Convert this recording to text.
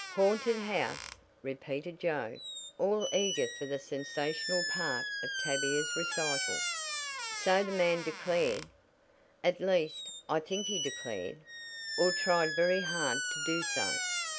"Haunted house!" repeated Joe, all eager for the sensational part of Tavia's recital. "So the man declared. At least, I think he declared, or tried very hard to do so.